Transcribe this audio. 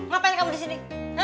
ngapain kamu disini